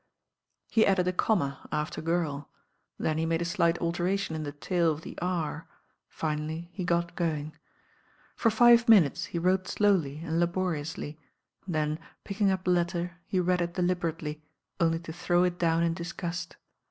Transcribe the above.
He added a comma after "Girl," then he made a •light alteration in the taU of the "R"; finaUy he got gomg. ' For five minutes he wrote slowly and laboriously, then picking up the letter he read it deliberately. oiJy to throw it down in disgust.